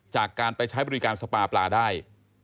จากการไปใช้บริการสปาปลาได้